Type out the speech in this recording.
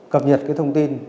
cập nhật cái thông tin